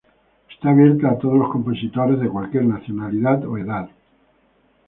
Está abierta a todos los compositores de cualquier nacionalidad o edad.